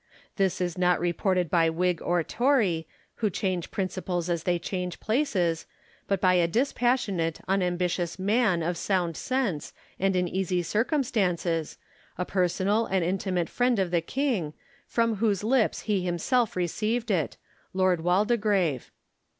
This is not reported by Whig or Tory, who change prin ciples as they change places, but by a dispassionate, unam bitious man of sound sense and in easy circumstances, a personal and intimate friend of the king, from whose lips he himself received it — Lord Waldegrave.